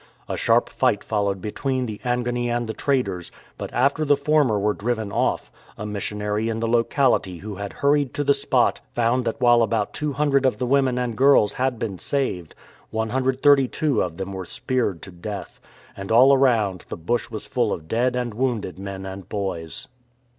A sharp fight followed between the Angoni and the traders, but after the former were driven off, a missionary in the locality who had hurried to the spot found that while about 200 of the women and girls had been saved, 132 of them were speared to death, and all around the bush was full of dead and wounded men and boys.